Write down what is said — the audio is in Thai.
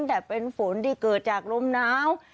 แต่เป็นฝนที่เกิดจากลมหนาว